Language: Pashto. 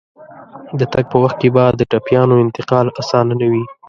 د تګ په وخت کې به د ټپيانو انتقال اسانه نه وي.